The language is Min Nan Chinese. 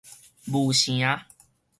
婺城